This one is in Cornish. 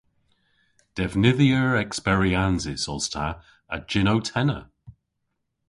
Devnydhyer eksperyansys os ta a jynnow-tenna.